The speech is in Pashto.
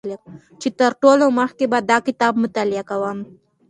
چې تر ټولو مخکې به دا کتاب مطالعه کوم